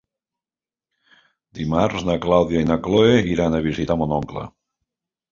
Dimarts na Clàudia i na Cloè iran a visitar mon oncle.